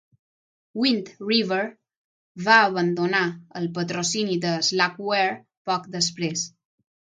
Wind River va abandonar el patrocini de Slackware poc després.